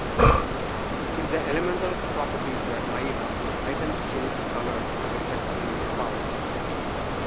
If the elemental properties were high enough, items changed color to reflect elemental power.